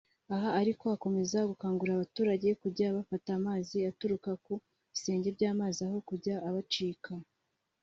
Aha ariko akomeza gukangurira abaturage kujya bafata amazi aturuka ku bisenge by’amazu aho kujya abacika